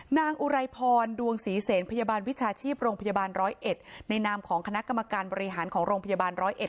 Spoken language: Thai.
อุไรพรดวงศรีเสนพยาบาลวิชาชีพโรงพยาบาลร้อยเอ็ดในนามของคณะกรรมการบริหารของโรงพยาบาลร้อยเอ็ด